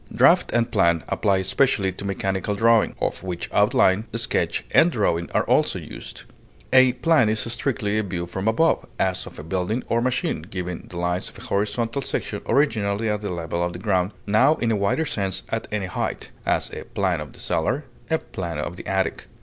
Draft and plan apply especially to mechanical drawing, of which outline, sketch, and drawing are also used; a plan is strictly a view from above, as of a building or machine, giving the lines of a horizontal section, originally at the level of the ground, now in a wider sense at any height; as, a plan of the cellar; a plan of the attic.